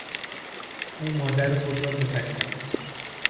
او مادر خود را کتک زد.